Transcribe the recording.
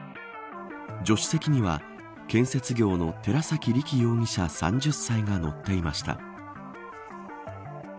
助手席には建設業の寺崎太尊容疑者３０歳が乗っていました。